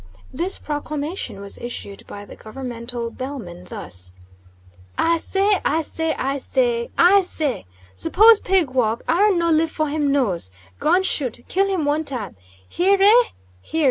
This proclamation was issued by the governmental bellman thus: "I say I say I say I say. Suppose pig walk iron no live for him nose! Gun shoot. Kill him one time. Hear re! hear re!"